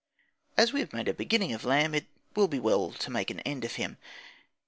As we have made a beginning of Lamb, it will be well to make an end of him.